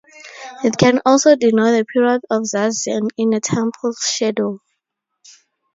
It can also denote a period of zazen in a temple schedule.